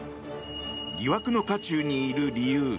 疑惑の渦中にいる理由